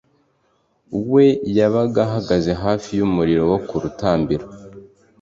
we yabaga ahagaze hafi y’umuriro wo ku rutambiro;